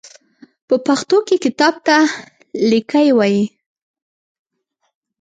په پښتو کې کتاب ته ليکی وايي.